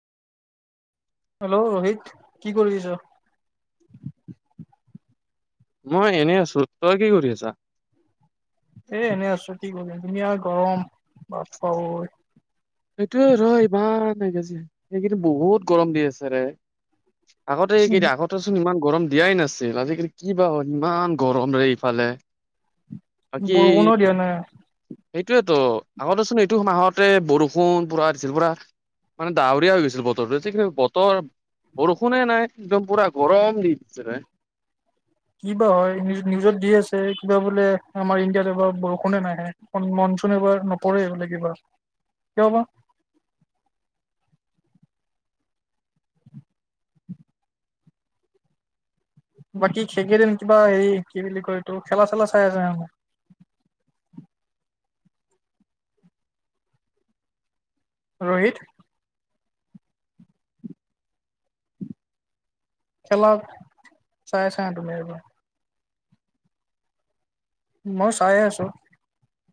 Hello Rohit কি কৰিছ মই এনেই আছো তই কি কৰি আছা এ এনে আছো কি কৰি ধুমি আৰু গৰম ভাত খাবৈ সেইটোয়ে ৰ ইমান এ এইকেইন্তিন বহুত গৰম দি আছে ৰে আগতে কেইতিয়া আগতে চোন ইমান গৰম দিয়াই নাছিল আজিকালি কি বা ইমান গৰম ৰে ইফালে বাকী বৰষুণো দিয়া নাই সেইটোয়েতো আগতেচোন এইটো মাহত [unintelligible] ষুণ পুৰা দিছিল পুৰা মানে ডাৱৰীয়া হৈ গৈছিল বতৰটো স কিন্ত বতৰ। বৰষুণে নাই। একদম পূৰা গৰম দি দিছে। কিবা হয় নিউজত দি আছে কিবা বোলে আমাৰ ইণ্ডিয়াত এবাৰ বৰষুনে নাহে মন চোন এবাৰ নপৰে বোলে কিবা কিয় বা। বাকী খেকেইদিন কিবা হেৰি কি বুলি কয় এইটো খেলা চেলা চাই আছে। ৰোহিত। খেলা চাই চা তুমি একব মই চাই আছো।